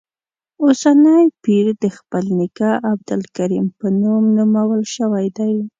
اوسنی پیر د خپل نیکه عبدالکریم په نوم نومول شوی دی.